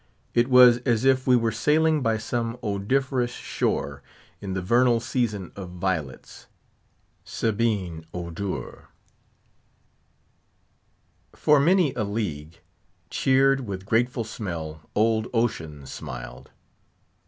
It was as if we were sailing by some odoriferous shore, in the vernal season of violets. Sabaean odours! "For many a league, Cheered with grateful smell, old Ocean smiled."